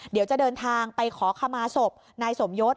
เดี๋ยวจะเดินทางไปขอขมาศพนายสมยศ